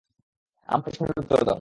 আমার প্রশ্নের উত্তর দাও।